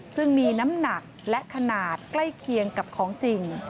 ซึ่งมีน้ำหนักและขนาดใกล้เคียงกับของจริง